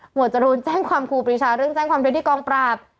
จรูนแจ้งความครูปรีชาเรื่องแจ้งความด้วยที่กองปราบ